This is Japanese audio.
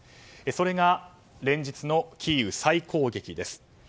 それが、連日のキーウ再攻撃です。